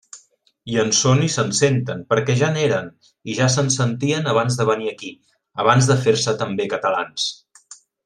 I en són i se'n senten, perquè ja n'eren i ja se'n sentien abans de venir aquí, abans de fer-se també catalans.